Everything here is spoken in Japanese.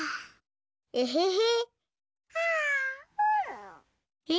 エヘヘ。